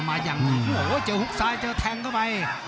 โอ้โหเจอหุ้กชายเจอแทงเข้าไป